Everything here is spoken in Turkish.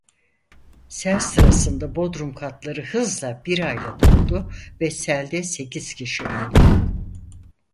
Sel sırasında bodrum katları hızla birayla doldu ve selde sekiz kişi öldü.